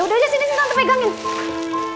ya udah aja sini sini tante pegangin